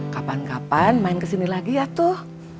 kapan kapan main kesini lagi ya tuh